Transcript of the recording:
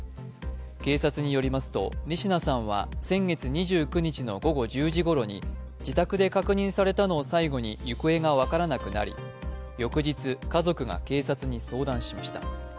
警察によりますと、仁科さんは先月２９日の午後１０時ごろに自宅で確認されたのを最後に行方が分からなくなり、翌日、家族が警察に相談しました。